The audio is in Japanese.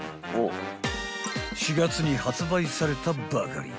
［４月に発売されたばかり］